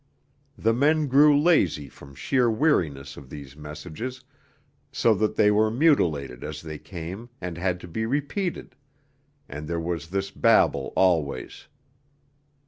The men grew lazy from sheer weariness of these messages, so that they were mutilated as they came and had to be repeated; and there was this babel always.